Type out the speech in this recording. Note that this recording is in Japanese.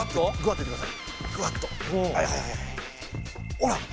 ほら！